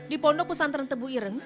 di pondok pesantren tebu ireng